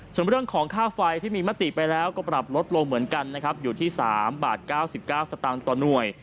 ส่วนเรื่องของค่าไฟที่มีมติไปแล้วก็ปรับลดลงเหมือนกันนะครับอยู่ที่๓บาท๙๙สตางค์ต่อหน่วย